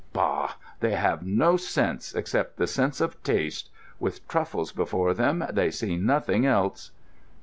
Bah! They have no sense, except the sense of taste: with truffles before them, they see nothing else."